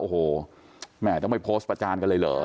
โอ้โหแม่ต้องไปโพสต์ประจานกันเลยเหรอ